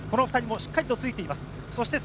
２人がしっかりついています。